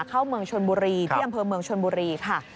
เข้าเมืองชนบุรีที่อำเภอเมืองชนบุรีค่ะ